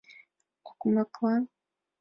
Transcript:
Окмаклан?